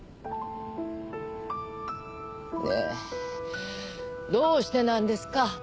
ねぇどうしてなんですか。